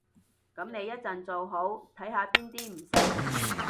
噉你一陣做好，睇下邊啲唔識